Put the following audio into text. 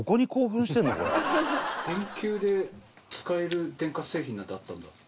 電球で使える電化製品なんてあったんだ。